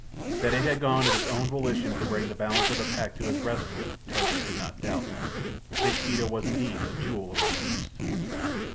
That it had gone of its own volition to bring the balance of the pack to his rescue, Tarzan could not doubt. His Sheeta was indeed a jewel among beasts.